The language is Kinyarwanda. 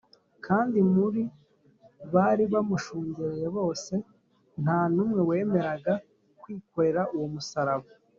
kandi mu bari bamushungereye bose, nta n’umwe wemeraga kwikorera uwo musaraba